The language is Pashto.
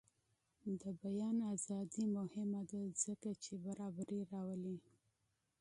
د بیان ازادي مهمه ده ځکه چې برابري راولي.